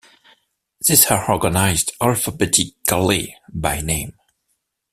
These are organized alphabetically by name.